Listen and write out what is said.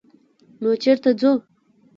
_نو چېرته ځو؟